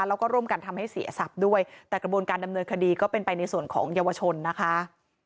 แล้วก็ร่วมกันทำให้เสียทรัพย์ด้วยแต่กระบวนการดำเนินคดีก็เป็นไปในส่วนของเยาวชนนะคะ